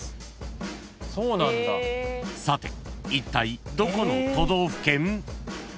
［さていったいどこの都道府県？］